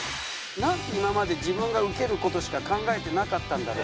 「なんで今まで自分がウケる事しか考えてなかったんだろう」